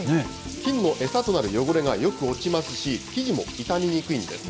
菌の餌となる汚れがよく落ちますし、生地も傷みにくいんです。